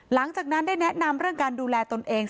หลังจากนั้นได้แนะนำเรื่องการดูแลตนเอง